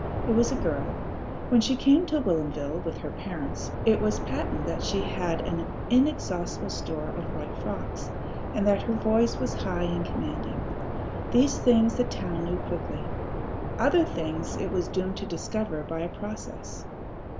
It was a girl. When she came to Whilomville with her parents, it was patent that she had an inexhaustible store of white frocks, and that her voice was high and commanding. These things the town knew quickly. Other things it was doomed to discover by a process.